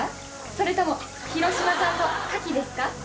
それとも広島産のカキですか？